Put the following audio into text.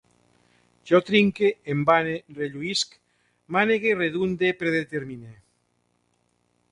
Jo trinque, em vane, relluïsc, manegue, redunde, predetermine